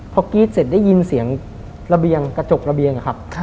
พอกิ๊ฟเสร็จแล้วว่าเกิดยินเสียงกระจกละบียง